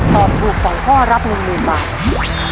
ตอบถูก๒ข้อรับ๑๐๐๐บาท